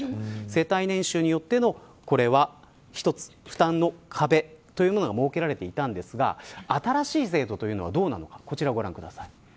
世帯年収によっての一つ負担の壁というものが設けられていたんですが新しい制度はどうなのかこちらをご覧ください。